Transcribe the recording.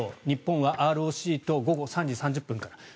日本はＲＯＣと午後３時３０分から。